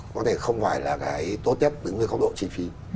có thể không phải là cái tốt nhất đứng với góc độ chi phí